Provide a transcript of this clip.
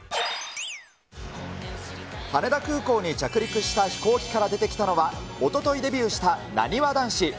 羽田空港に着陸した飛行機から出てきたのは、おとといデビューしたなにわ男子。